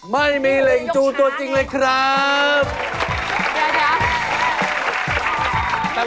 เดี๋ยวพี่บ๊ากเดี๋ยวเดี๋ยวเขาบอกแล้ว